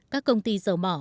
các công ty dầu mỏ